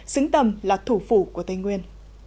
xứng tầm là thủ phủ của tây nguyên